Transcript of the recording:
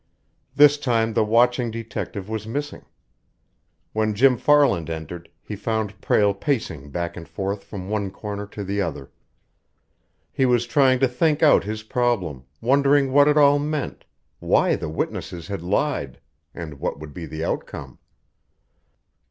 This time the watching detective was missing. When Jim Farland entered, he found Prale pacing back and forth from one corner to the other. He was trying to think out his problem, wondering what it all meant, why the witnesses had lied, and what would be the outcome.